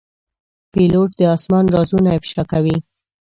پیلوټ د آسمان رازونه افشا کوي.